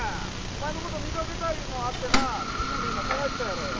お前のこと見かけた言うもんあってなみんなで今捜いてたやらよ。